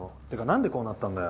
んでこうなったんだよ。